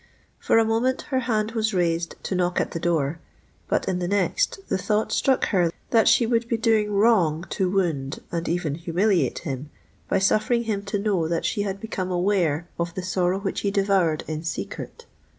For a moment her hand was raised to knock at the door; but in the next the thought struck her that she would be doing wrong to wound, and even humiliate him, by suffering him to know that she had become aware of the sorrow which he devoured in secret!